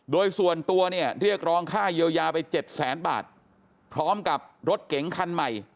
โดยส่วนตัวเนี่ยเรียกร้องค่าเยียวยาไปเจ็ดแสนบาทพร้อมกับรถเก๋งคันใหม่